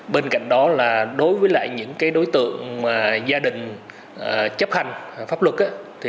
bên cạnh đó là đối với những đối tượng gia đình chấp hành pháp luật